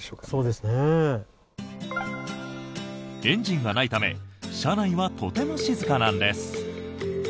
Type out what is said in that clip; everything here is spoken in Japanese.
エンジンがないため車内はとても静かなんです。